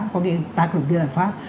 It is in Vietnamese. có nghĩa là tác động đến hành pháp